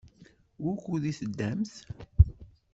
Wukud i teddamt?